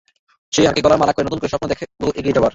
সেই হারকেই গলার মালা করে, নতুন করে স্বপ্ন দেখব এগিয়ে যাওয়ার।